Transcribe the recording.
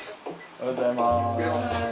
おはようございます。